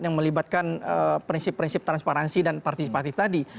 yang melibatkan prinsip prinsip transparansi dan partisipatif tadi